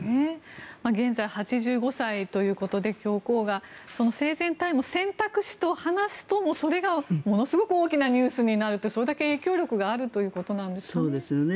現在、８５歳ということで教皇が生前退位も選択肢と話すとそれがものすごく大きなニュースになるというそれだけ影響力があるということなんですかね。